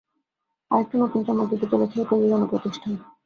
আরেকটা নতুন চমক দিতে চলেছে এই প্রযোজনা প্রতিষ্ঠান।